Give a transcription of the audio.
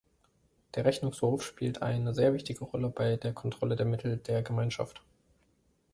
Der Rechnungshof spielt eine sehr wichtige Rolle bei der Kontrolle der Mittel der Gemeinschaft.